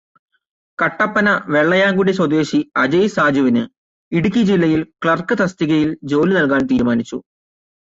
കട്ടപ്പന വെള്ളയാംകുടി സ്വദേശി അജയ് സാജുവിന് ഇടുക്കി ജില്ലയില് ക്ലര്ക്ക് തസ്തികയില് ജോലി നല്കാന് തീരുമാനിച്ചു.